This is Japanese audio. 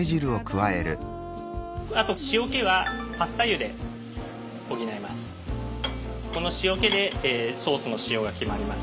あと塩気はパスタ湯で補います。